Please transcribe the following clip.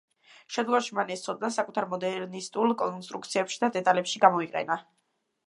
შემდგომში, მან ეს ცოდნა საკუთარ მოდერნისტულ კონსტრუქციებში და დეტალებში გამოიყენა.